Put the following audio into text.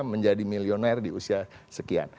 menjadi milioner di usia sekian